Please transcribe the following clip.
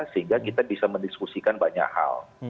sehingga kita bisa mendiskusikan banyak hal